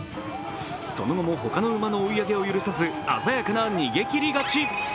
その後も他の馬の追い上げを許さず鮮やかな逃げきり勝ち。